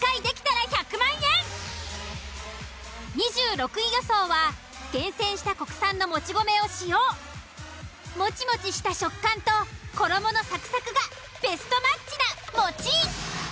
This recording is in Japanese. ２６位予想は厳選した国産のもち米を使用もちもちした食感と衣のサクサクがベストマッチなもち。